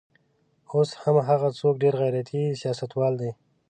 اوس هم هغه څوک ډېر غیرتي سیاستوال دی.